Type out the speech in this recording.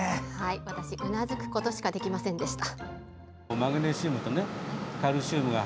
私、うなずくことしかできませんでした。